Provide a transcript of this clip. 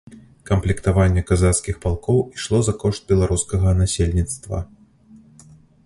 Камплектаванне казацкіх палкоў ішло за кошт беларускага насельніцтва.